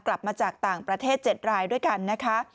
กลับมาจากต่างประเทศ๗รายด้วยกันนะคะ